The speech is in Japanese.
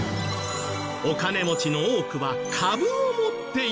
お金持ちの多くは株を持っている人。